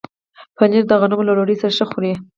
پنېر د غنمو له ډوډۍ سره ښه خوري.